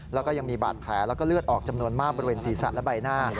แล้วก็ยังมีบาดแผลแล้วก็เลือดออกจำนวนมากบริเวณศีรษะและใบหน้า